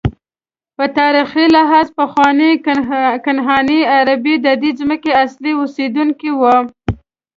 په تاریخي لحاظ پخواني کنعاني عربان ددې ځمکې اصلي اوسېدونکي وو.